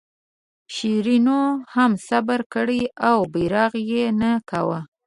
شیرینو هم صبر کړی و او برغ یې نه کاوه.